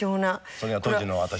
これが当時の私の。